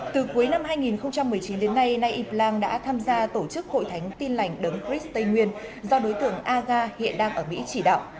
từ cuối năm hai nghìn một mươi chín đến nay y blang đã tham gia tổ chức hội thánh tin lành đấng chris tây nguyên do đối tượng aga hiện đang ở mỹ chỉ đạo